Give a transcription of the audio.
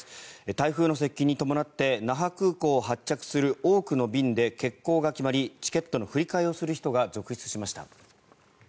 台風の接近に伴って那覇空港を発着する多くの便で欠航が決まりチケットの振り替えをする人が続出しました。